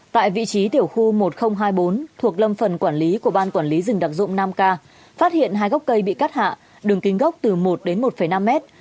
tại vị trí tiểu khu một nghìn hai mươi bốn thuộc lâm phần quản lý của ban quản lý rừng đặc dụng nam ca phát hiện hai gốc cây bị cắt hạ đường kinh gốc từ một đến một năm mét